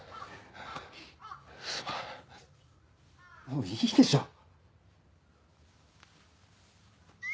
もういいでしょう。